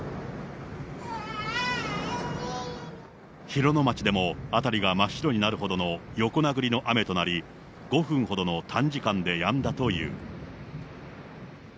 広野町でも辺りが真っ白になるほどの横殴りの雨となり、５分ほどの短時間でやんだという。